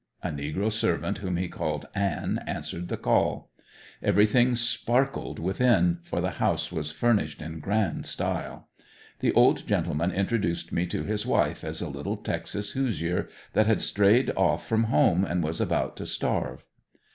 A negro servant whom he called "Ann," answered the call. Everything sparkled within, for the house was furnished in grand style. The old gentleman introduced me to his wife as a little Texas hoosier that had strayed off from home and was about to starve.